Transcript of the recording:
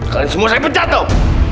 kalian semua saya pecat tau